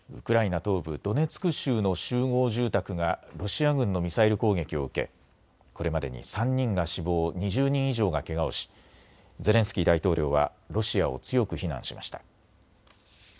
東部ドネツク州の集合住宅がロシア軍のミサイル攻撃を受けこれまでに３人が死亡、２０人以上がけがをしゼレンスキー大統領はロシアを強く非難しました。